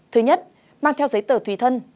thứ nhất mang theo giấy tờ thùy thân